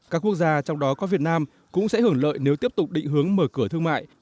các quốc gia trong đó có việt nam cũng sẽ hưởng lợi nếu tiếp tục định hướng mở cửa thương mại